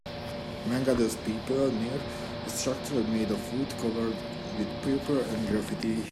Man gathers paper near a structure made of wood covered with paper and graffiti.